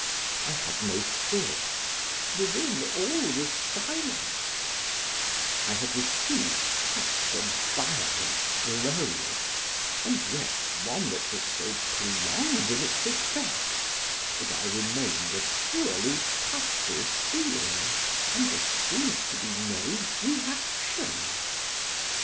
I had no thoughts; within, all was silence; I had received such a violent blow, and yet one that was so prolonged in its effect, that I remained a purely passive being and there seemed to be no reaction.